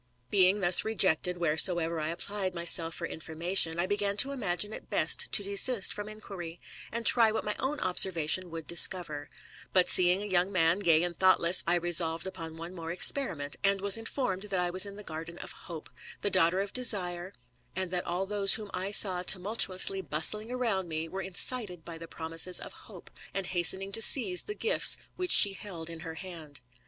Being thus rejected wheresoever I applied myself for information, I began to imagine it best to desist from inquiry, and try what my own observation would discover : but seeing a young man, gay and thoughtless, I resolved upon one more experiment, and was informed that I was in the garden of Hope, the daughter of Desire, and that all those whom I saw thus tumultuously bustling round me were incited by the promises of Hope, and hastening to seize the gifts which she held in her hand.